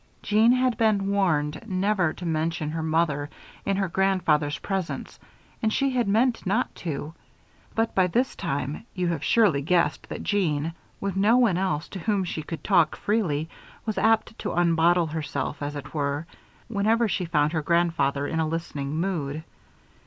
Jeanne had been warned never to mention her mother in her grandfather's presence; and she had meant not to. But by this time, you have surely guessed that Jeanne, with no one else to whom she could talk freely, was apt to unbottle herself, as it were, whenever she found her grandfather in a listening mood.